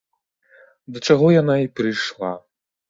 Да чаго яна і прыйшла.